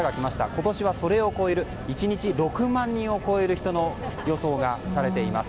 今年はそれを超える１日６万人を超えるという予想がされています。